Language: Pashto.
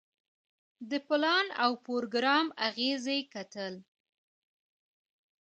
د پلان او پروګرام اغیزې کتل.